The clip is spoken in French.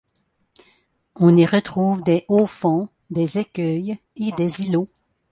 On y retrouve des hauts-fonds, des écueils et des îlots.